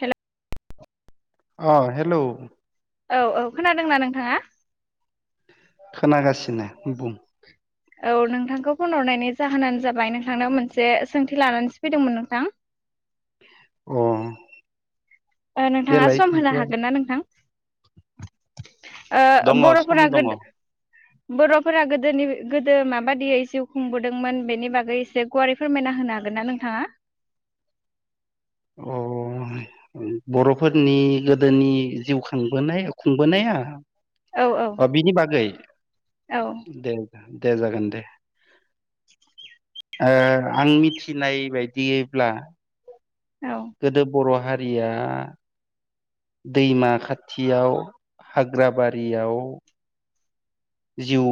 हेल'। अ हेल'। औ औ खोनादोंना नोंथाङा? खोनागासिनो बुं औ नोंथांखौ फन हरनायनि जाहोनानो जाबाय नोंथांनाव मोनसे सोंथि लानानैसो फैदोंमोन नोंथां [inaudible] अ ओ नोंथाङा देलाय सम होनो सोंथिया हागोन ना नोंथां? ओ दङ सम बर'फोरा दङ अ गोदो बर'फोरा गोदोनि गोदो माबादियै जिउ खुंबोदोंमोन बेनि बागै एसे गुवारै फोरमायना होनो हागोन नना नोंथाङा? अ औ। बर'फोरनि गोदोनि जिउ खांबोनाय खुंबोनाया औ औ अ बिनि बागै औ। दे दे जागोन दे। ओ आं मिथिनाय बायदियैब्ला औ गोदो बर' हारिया दैमा खाथियाव हाग्राबारियाव जिउ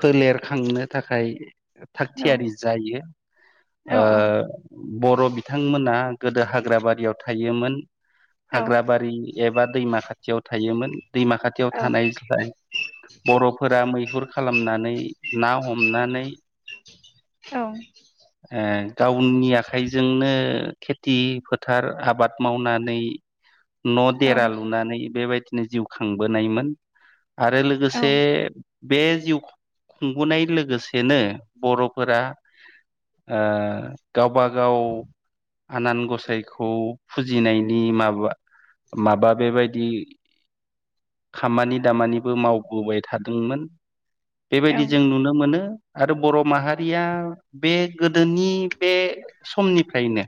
फोलेरखांनो थाखाय औ थागथियारि जायो ओ औ बर' बिथांमोना गोदो हाग्राबारियाव थायोमोन औ हाग्राबारि एबा दैमा खाथियाव थायोमोन दैमा खाथियाव औ थानायाय बर'फोरा मैहुर खालामनानै ना हमनानै ओ गावनि आखाइजोंनो खेथि फोथार आबाद मावनानै [inaudible] न' औ देरा लुनानै बेबायदिनो जिउ खांबोनायमोन। आरो औ लोगोसे बे जिउ खुंबोनाय लोगोसेनो बर'फोरा आ गावबा गाव आनान गसाइखौ फुजिनायनि माबुया माबा बेबायदि खामानि दामानिबो मावबोबाय थादोंमोन। औ बेबायदि जों नुनो मोनो। आरो बर' माहारिया बे गोदोनि बे समनिफ्रायनो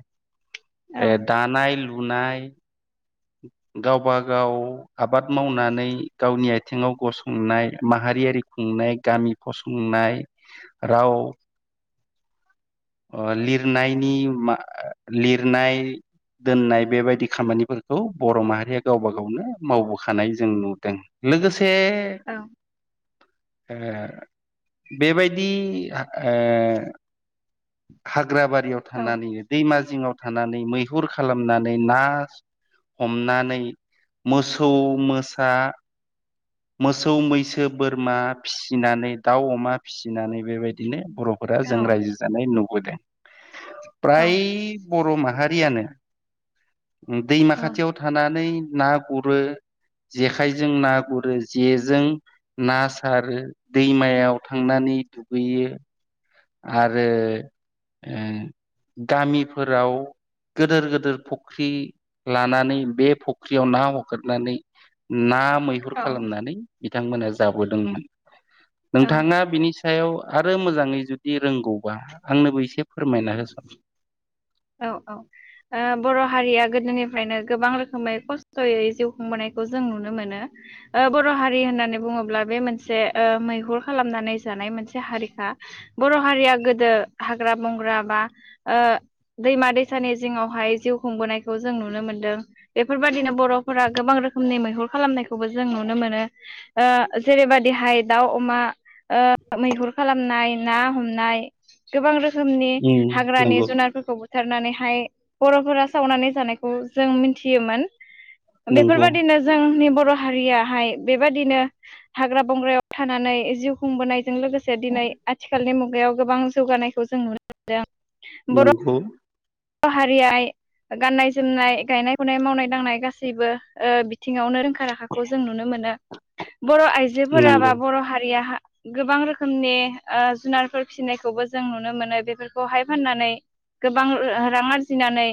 औ ए दानाय लुनाय गावबा गाव आबाद मावनानै गावनि आथिङाव गसंनाय माहाय रियारि खुंनाय गामि फसंनाय राव [inaudible] ओ लिरनायनि मा लिरनाय दोननाय बेबायदि खामानिफोर खौ बर' माहारिया गावबा गावनो मावबोखानाय जों नुदों लोगोसे से ए बेबायदि ए हाग्राबारियाव औ थानानैनो दैमा जिङाव थानानै मैहुर खालामनानै नास हमनानै मोसौ मोसा मोसौ मैसो बोरमा फिसिनानै दाउ अमा फिसिनानै बेबायदिनो बर'फोरा औ जों रायजो जानाय नुबोदों। फ्राय बर' माहारियानो औ दैमाखाथियाव थानानै ना गुरो जेखाइजों ना गुरो जेजों ना सारो दैमायाव थांनानि नै दुगैयो आरो ओ गामिफोराव गोदोर गोदोर फख्रि लानानै बे फख्रियाव ना हगाथनानै ना मैहुर औ खालामनानै बिथांमोना जाबोदोंमोन औ नोंथाङा बिनि सायाव आरो मोजाङै जुदि रोंगौबा आंनोबो एसे फोरमायना होसन ‌। औ औ ओ बर' हारिया गोदोनिफ्रायनो गोबां रोखोमै खस्थ'यै जिउ खुंबोनायखस जों नुनो मोनो ओ बर' हारि होननानै बुङोब्ला बे मोनसे ओ मैहुर खालामनानै जानाय मोनसे हारिखा बर' हारिया गोदो हाग्रा बंग्रा बा ओ दैमा दैसानि जिङावहाय जिउ खुंबोनायखौ जों नुनो मोनदों बेफोरबायदिनो बर'फोरा गोबां रोख खोमनि मैहुर खालामनायखौबो जों नुनो मोनो ओ जेरैबायदिहाय दाउ अमा ओ मैहुर खालामनाय ना हमनाय गोबां रो थोमनि उम हाग्रानि नंगौ जुनारफोरखौ बो थोरनानैहाय बर'फोरा सावनानै जानायखौ जों मिथियोमोन। नंगौ बेफोरबादिनो जोंनि बर' हारियाहाय बेबादिनो हाग्रा बंग्रायाव थानानै जिउ खुंबोनायजों लोगोसे दिनै आथिखालनि मुगायाव गोबां जौगानायखौ जों नुनो मोनदों। नोंख' हारिआय गाननाय जोमनाय गायनाय गुनाय मावनाय दांनाय गासैबो ओ थिङावनो रोंखा राखाखौ जों नुनो मोनो बर' आइजोफोरा बा नंगौ बर' हारिया हा गोबां रोखोमनि ओ जुनारफोर फिनायखौबो जों नुनो मोनो बेफोरखौहाय फाननानै गोबां ओ-हा-हा-रां आरजिनानै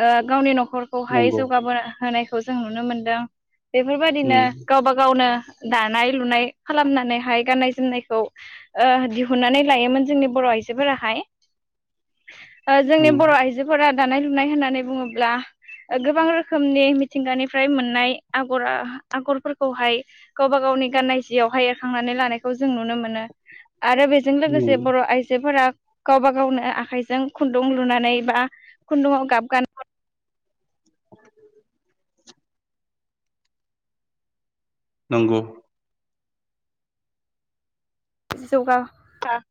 ओ गावनि न'खरखौहाय नंगौ जौगाबोनो होनाय खौ जों नुनो मोनदों बेफोरबायदिनो उम गावबा गावनो दानाय लुनाय खालामनानैहाय गाननाय जोमनायखौ ओ दिहुननानै लायोमोन जोंनि बर' आय इसिफोराहाय ओ जोंनि उम बर' आइ जोफोरा दानाय लुनाय होननानै बुङोब्ला गोबां रोखोमनि मिथिंगानिफ्राय मोननाय आगरा आगरफोरखौहाय गावबा गाव उननि गाननाय जियावहाय एरखांनानै लानायखौ जों नुनो मोनो। आरो बेजों लोगोसे बर' आइजोफोरा गावबा गावनो आखाइजों खुन्दुं लुनानै बा खुन्दुंआव गाब गान नंगौ। बिदि जौगा [unintelligible]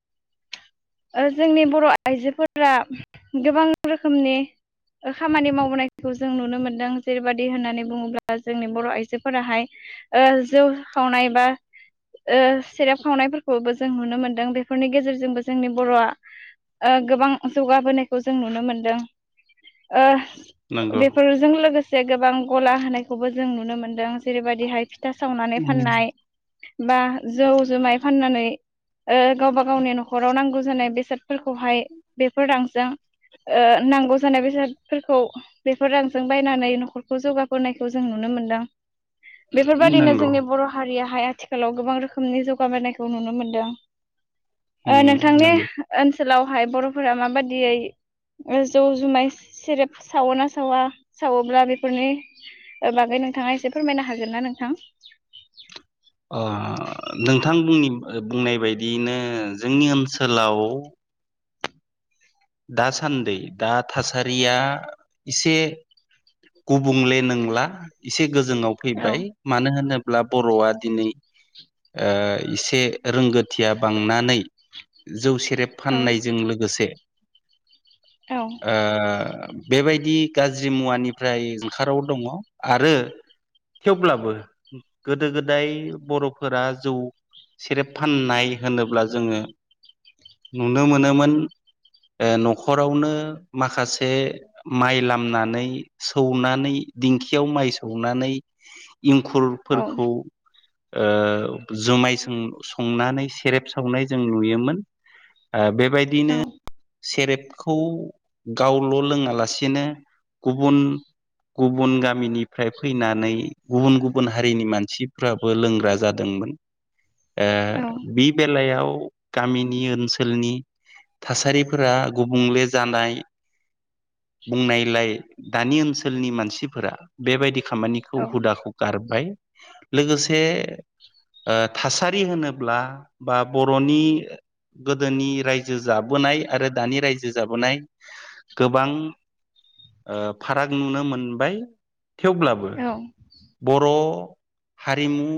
ओ जोंनि बर' आइजोफोरा गोबां रोखोमनि ओ खामानि मावबोनायखौ जों नुनो मोनदों जेरैबायदि होननानै बुङोब्ला जोंनि बर' आइजोफोराहाय ओ जौ खावनाय बा ओ सेरेब खावनायफोर खौबो जों नुनो मोनदों बेफोरनि गेजेरजोंबो जोंनि बर'आ ओ गोबां जौगाबोनायखौ जों नुनो मोनदों ओ नंगौ नंगौ बेफोरजों लोगोसे गोबां गला होनायखौबो जों नुनो मोनदों जेरैबायदिहाय फिथा सावनानै फाननाय बा जौ जुमाय फाननानै ओ गावबा गावनि न'खराव नांगौ जानाय बेसादफोरखौहाय बेफोर रांजों ओ नांगौ जानाय बेसादफोरखौ बेफोर रांजों बायनानै न'खरखौ जौगाबोनायखौ जों नुनो मोन्दों बेफोरबादिनो नंगौ जोंनि बर' हारियाहाय आथिखालाव गोबां रोखोमनि जौगाबोनाय खौ नुनो मोनदों ओ उम नोंथांनि नंगौ ओन सोलावहाय बर'फोरा माबायदियै ओ जौ जुमाय सेरेब सावोना सावा सावोब्ला बेफोरनि ओ बागै नोंथाङा एसे फोरमायनो हागोनना नोंथां? अह नोंथांनि ओ बुंनाय बायदियैनो जोंनि ओनसोलाव दासान्दै दा थासारिया इसे गुबुंले नोंला एसे गोजोंआव औ फैबाय मानो होनो ब्ला बर'आ दिनै ओ इसे रोंगोथिया बांनानै जौ से रेब औ फाननायजों लोगोसे औ ओ बेबायदि गाज्रि मुवानिफ्राय जानखाराव दङ आरो थेवब्लाबो गोदो गोदाय बर'फोरा जौ सेरेब फाननाय होनोब्ला जोङो नुनो मोनोमोन [inaudible] ओ न'खरावनो माखासे माइ लामनानै सौनानै दिं खियाव माइ सौनानै औ इंखुरफोरखौ ओ जुमाय सं-संनानै सेरेब सावनाय जों नुयोमोन। ओ औ बेबायदिनो सेरेबखौ गावल' लोङालासेनो गुबुन गुबुन गामिनिफ्राय फैनानै गुबुन गुबुन हारिनि मानसिफ्राबो लोंग्रा जादोंमोन। [inaudible] ओ बि बेलायाव गामिनि ओनसोलनि थासारिफोरा गुबुंले जानाय बुंनायलाय दानि ओनसोलनि मानसिफोरा बेबायदि खामानिखौ औ हुदाखौ गारबाय लोगोसे ओ थासारि होनोब्ला बा बर'नि गोदोनि रायजो जाबोनाय आरो दानि रायजो जाबोनाय गोबां ओ फाराग नुनो मोनबाय थेवब्लाबो बर' हारिमु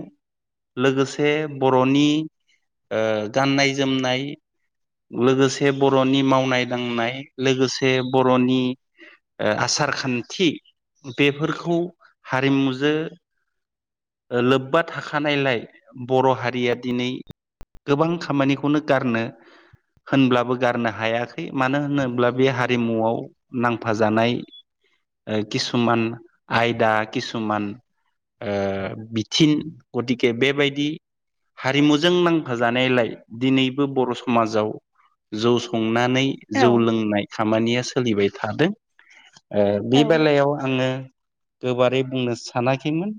लोगोसे बर'नि ओ गाननाय जोमनाय लोगोसे बर'नि मावनाय दांनाय लोगोसे बर'नि ओ आसार खान्थि बेफोरखौ हारिमुजो ओ लोब्बा थाखानायलाय बर' हारिया दिनै गोबां खामानिखौनो गारनो होनब्लाबो गारनो हायाखै मानो होनोब्ला बे हारिमुआव नांफाजानाय ओ किसुमान आयदा किसुमान ओ बिथिं गतिके बेबायदि हारिमुजों नांफाजानायलाय दिनैबो बर' समाजाव जौ संनानै औ जौ लोंनाय खामानिया सोलिबाय थादों ओ बे बेलायाव आङो गोबारै बुंनो सानाखैमोन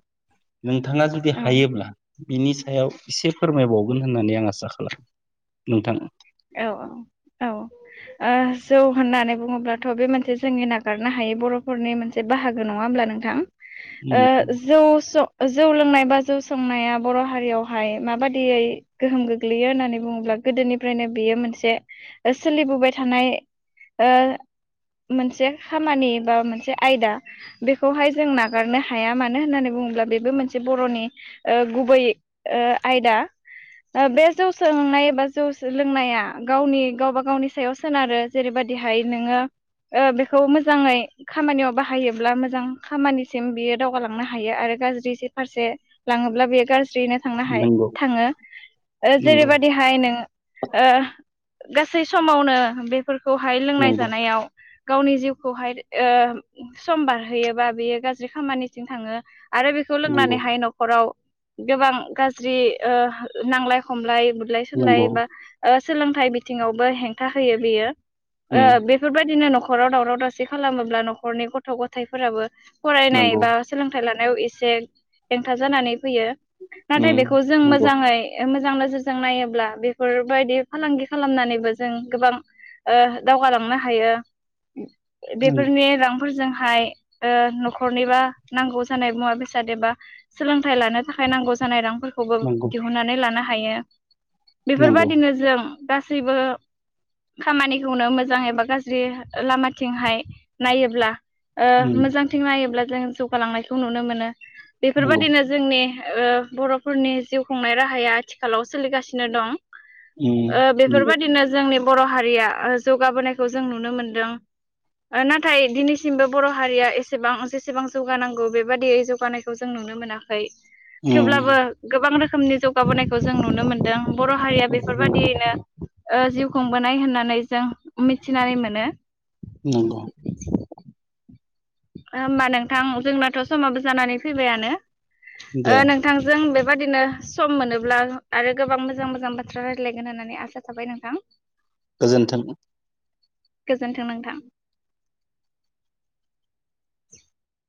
नोंथाङा जुदि हायोब्ला बिनि सायाव एसे फोरमायबावगोन होननानै आं आसा खालामो नोंथां। औ औ औ ओ जौ होननानै बुङोब्लाथ' बे मोनसे जोंनि नागारनो हायै बर'फोरनि मोनसे बाहागो नङा होमब्ला ओ नोंथां ओ उम जौ स' जौ लोंनाय बा जौ संनाया बर' हारियावहाय माबादियै गोहोम गोग्लैयो होननानै बुङोब्ला गोदोनि फ्रायनो बियो मोनसे ओ सोलिबोबाय थानाय ओ मोनसे खामानि बा मोनसे आयदा बेखौहाय जों नागारनो हाया मानो होननानै बुङोब्ला बेबो मोनसे बर'नि ओ गुबै ओ आयदा ओ बे जौ सोंनाय एबा जौ लोंनाया गावनि गावबा गावनि सायाव सोनारो जेरैबायदिहाय नोङो ओ बेखौ मोजाङै खामानियाव बाहायोब्ला मोजां खामानिसिम बियो दावगालांनो हायो आरो गाज्रि फारसे लाङोब्ला बे गाज्रि ज्रि थांनो हा नंगौ थाङो नंगौ जेरैबायदिहाय नों ओ गासै समावनो बेफोरखौहाय लोंनाय नंगौ जानायाव गावनि जिउखौहाय ओ सम बारहोयोबा बेयो गाज्रि खामानिसिम थाङो आरो बेखौ नंगौ लोंनानैहाय न'खराव गोबां गाज्रि ओ नांलाय खमलाय बुलाय नंगौ सुलाय बा सोलोंथाइ बिथिङावबो हेंथा होयो बियो ओ उम बेफोरबायदिनो न'खर न'खराव दावसि खालामोब्ला न'खरनि गथ' गथायफोराबो फरायनाय नंगौ बा सोलोंथाइ लानाय नायाव एसे हेंथा जानानै फैयो नाथाय उम बेखौ जों नंगौ मोजाङै मोजां नोजोरजों नायोब्ला बे बेफोरबायदि फालांगि खालामनानैबो जों गोबां ओ दावगालांनो हायो। नंगौ बेफोरनि रांफोरजों थाखाय ओ न'खरनिबा नांगौ जानाय मुवा बेसाद एबा सोलोंथाइ लानो थाखाय नांगौ जानाय रां फोरखौबो नंगौ दिहुननानै लानो हायो नंगौ बेफोरबायदिनो जों गासैबो खामानिखौनो मोजां एबा गाज्रि लामाथिंहाय नायोब्ला ओ उम मोजांथिं नायोब्ला जों जौगालांनायखौ नुनो मोनो नंगौ बेफोरबायदिनो जोंनि ओ बर'फोरनि जिउ खुंनाय राहाया आथिखालाव सोलिगासिनो दं। ओ उम नंगौ बेफोरबायदिनो जोंनि बर' हारिया जौगाबोनायखौ जों नुनो मोनदों नाथाय दिनैसिमबो बर' हारिया एसेबां जेसेबां जौगानांगौ बेबाददियै जौगानायखौ जों नु नो मोनाखै थेवब्लाबो उम गोबां रोखोमनि जौगाबोनायखौ जों नुनो मोनदों बर' हारिया उम बेफोरबायदियैनो ओ जिउ खुंबोनाय होननानै जों मिथिनानै मोनो नंगौ [inaudible] होमबा नोंथां जोंनाथ' समाबो जानानै फैबायानो दे ओ नोंथांजों बे बेबादिनो सम मोनोब्ला आरो गोबां मोजां मोजां बाथ्रा रायज्लायगोन होननानै आसा थाबाय नोंथां गोजोन्थों गोजोन्थों नोंथां